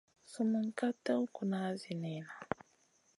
Sumun ka tèw kuna zi niyna.